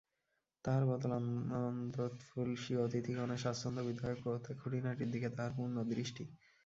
তাঁহার বদন আনন্দোৎফুল্ল, স্বীয় অতিথিগণের স্বাচ্ছন্দ্যবিধায়ক প্রত্যেক খুঁটিনাটির দিকে তাঁহার পূর্ণ দৃষ্টি।